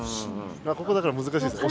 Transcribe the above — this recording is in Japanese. ここだからむずかしいですね。